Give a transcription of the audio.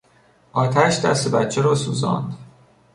آتش دست بچه را سوزاند.